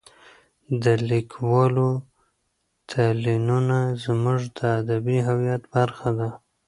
د لیکوالو تلینونه زموږ د ادبي هویت برخه ده.